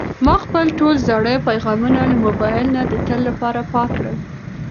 ما خپل ټول زاړه پیغامونه له موبایل نه د تل لپاره پاک کړل.